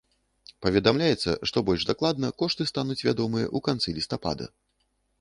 Паведамляецца, што больш дакладна кошты стануць вядомыя ў канцы лістапада.